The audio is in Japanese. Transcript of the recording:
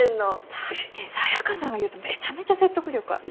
だってサヤカさんが言うとめちゃめちゃ説得力あるし。